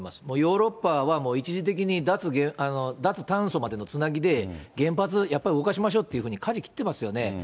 もうヨーロッパは一時的に脱炭素までのつなぎで、原発やっぱり動かしましょうというふうにかじ切ってますよね。